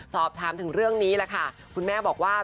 สอบถามถึงเรื่องนี้แหละค่ะคุณแม่บอกว่า